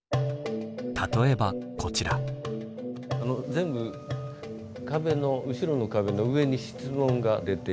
全部壁の後ろの壁の上に質問が出ていて。